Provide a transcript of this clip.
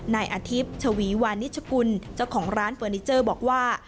นายอาทิตย์ชวีวานิชกุลเจ้าของร้านเฟอร์นิเจอร์บอกว่า